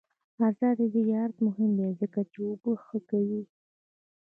آزاد تجارت مهم دی ځکه چې اوبه ښه کوي.